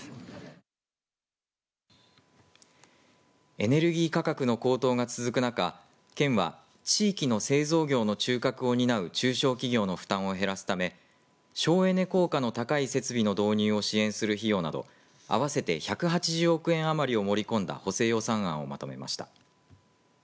エネルギー価格の高騰が続く中県は地域の製造業の中核を担う中小企業の負担を減らすため省エネ効果の高い設備の導入を支援する費用など合わせて１８０億円余りを盛り込んだ補正予算案をまとめました。